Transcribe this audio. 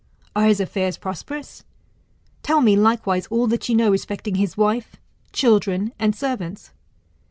Are his affairs prosperous ? Tell me likewise all that you know respecting his wife, children, and servants.